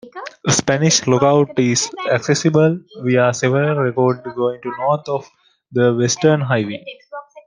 Spanish Lookout is accessible via several roads, going north off the Western Highway.